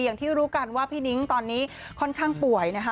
อย่างที่รู้กันว่าพี่นิ้งตอนนี้ค่อนข้างป่วยนะคะ